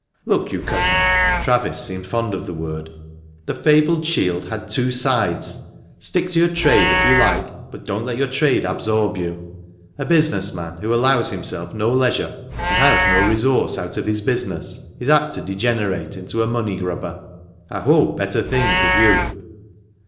" "Look you, Cousin" (Travis seemed fond of the word), "the fabled shield had two sides — stick to your trade if you like, but don't let your trade absorb you. A business man who allows himself no leisure, and has no resource out of his business, is apt to degenerate into a money grubber. I hope better things of you."